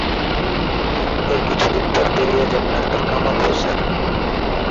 এর কিছুদিন পর বেরিয়ে যান ডাক্তার কামাল হোসেন।